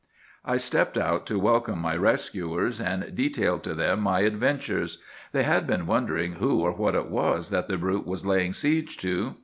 "I stepped out to welcome my rescuers, and detailed to them my adventures. They had been wondering who or what it was that the brute was laying siege to.